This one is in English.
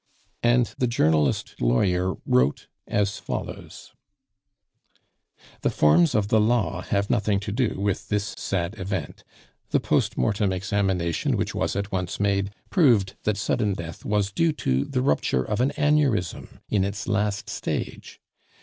And the journalist lawyer wrote as follows: "The forms of the law have nothing to do with this sad event. The post mortem examination, which was at once made, proved that sudden death was due to the rupture of an aneurism in its last stage.